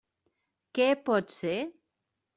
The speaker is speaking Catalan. Què pot ser?